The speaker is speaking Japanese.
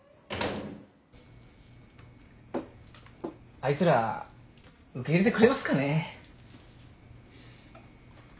あいつら受け入れてくれますかね。